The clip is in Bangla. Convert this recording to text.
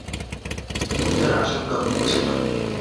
ইউতার আশংকা ভুল ছিলো না।